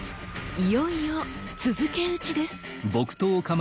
いよいよ「続け打ち」です。